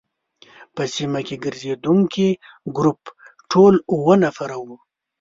په سیمه کې ګرزېدونکي ګروپ ټول اووه نفره وو.